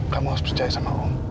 kamu harus percaya sama om